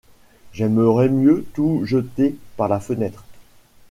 J’aimerais mieux tout jeter par la fenêtre.